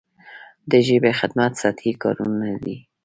د ژبې خدمت سطحي کارونه دي نه.